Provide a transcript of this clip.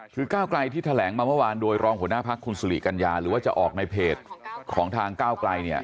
คือก้าวไกลที่แถลงมาเมื่อวานโดยรองหัวหน้าพักคุณสุริกัญญาหรือว่าจะออกในเพจของทางก้าวไกลเนี่ย